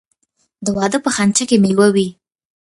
د واده په خنچه کې میوه وي.